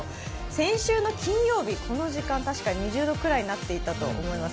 先週の金曜日、この時間たしか２０度くらいになっていたと思います。